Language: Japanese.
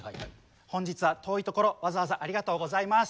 本日は遠いところわざわざありがとうございます。